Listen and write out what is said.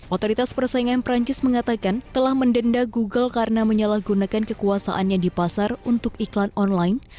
otoritas persaingan perancis mengatakan telah mendenda google karena menyalahgunakan kekuasaannya di pasar untuk iklan online